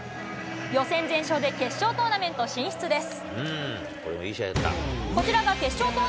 予選全勝で決勝トーナメント進出です。